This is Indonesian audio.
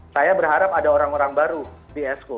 saya berharap ada orang orang baru di esko